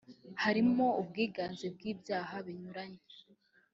harimo ubwiganze bw’ibyaha binyuranye